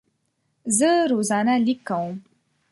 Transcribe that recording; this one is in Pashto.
زه روزانه لیک کوم.